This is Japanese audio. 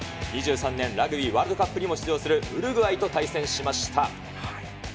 ２３年ラグビーワールドカップにも出場するウルグアイと対戦しました。